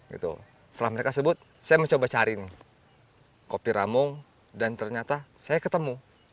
setelah mereka sebut saya mencoba cari kopi ramung dan ternyata saya ketemu